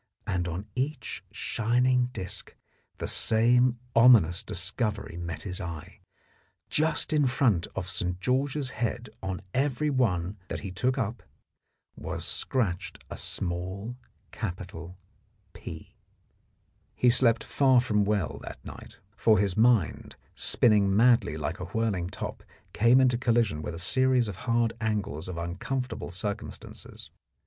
And on each shining disc the same ominous discovery met his eye : just in front of St. George's head on every one that he took up was scratched a small capital " P." He slept far from well that night, for his mind, spinning madly like a whirling top, came into collision with a series of hard angles of uncomfortable circumstances.